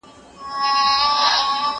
که وخت وي، ونې ته اوبه ورکوم!.